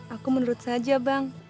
aku menurut saja bang